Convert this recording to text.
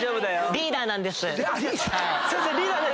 リーダーなんです。